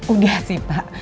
udah sih pak